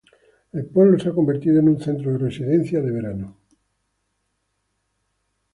El pueblo se ha convertido en un centro de residencia y de veraneo.